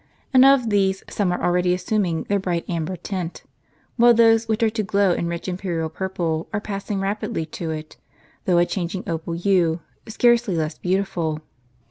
And of these some are already assuming their bright amber tint, w^hile those which are to glow in rich imperial purple, are passing rapidly to it, through a changing opal hue, scarcely less beautiful.